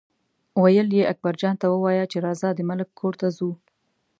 ویل یې اکبرجان ته ووایه چې راځه د ملک کور ته ځو.